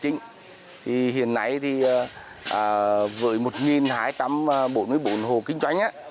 và hiện nay trên cả tuyên đường